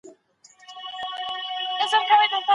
سیال هیواد ډیپلوماټیکي اړیکي نه پري کوي.